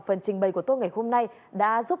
phần trình bày của tôi ngày hôm nay đã giúp